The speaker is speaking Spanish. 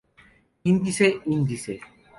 Índice Índice